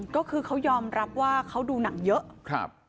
ก็คือเขายอมรับว่าเขาดูหนังเยอะครับ